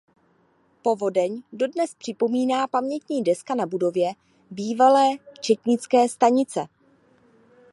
Povodeň dodnes připomíná pamětní deska na budově bývalé četnické stanice.